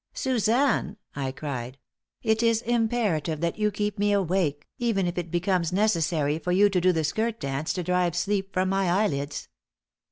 "Suzanne," I cried, "it is imperative that you keep me awake even if is becomes necessary for you to do the skirt dance to drive sleep from my eyelids.